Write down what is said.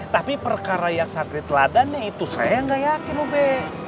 tapi perkara yang sakit teladannya itu saya nggak yakin ube